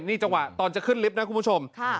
นี่จังหวะตอนจะขึ้นลิฟต์นะคุณผู้ชม